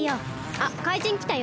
あかいじんきたよ。